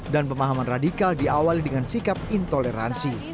dan pemahaman radikal diawali dengan sikap intoleransi